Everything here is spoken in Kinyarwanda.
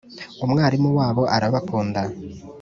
umwarimu wabo arabakunda